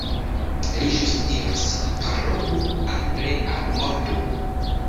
Li ĵus diris: Parolu angle aŭ mortu!